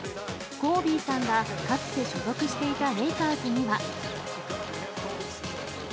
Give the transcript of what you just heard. コービーさんがかつて所属していたレイカーズには。